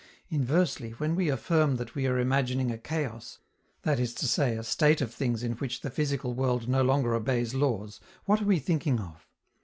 Inversely, when we affirm that we are imagining a chaos, that is to say a state of things in which the physical world no longer obeys laws, what are we thinking of?